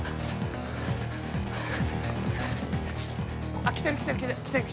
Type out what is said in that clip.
あっ来てる来てる来てる。